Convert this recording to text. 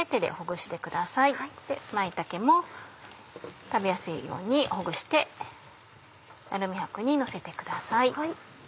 舞茸も食べやすいようにほぐしてアルミ箔にのせてください。